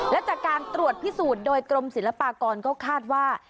และจากการตรวจพิสูจน์โดยกรมศิลปากรก็คาดว่า